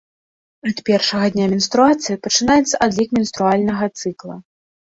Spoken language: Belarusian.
Ад першага дня менструацыі пачынаецца адлік менструальнага цыкла.